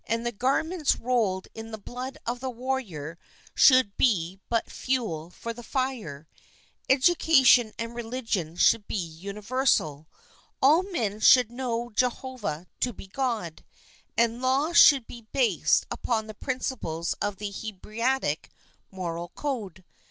the garments rolled in the blood of the warrior ;.'; should be but fuel for the fire ; education and religion should be universal, all men should know Jehovah to be God, and law should be based upon the principles of the Hebraic moral code.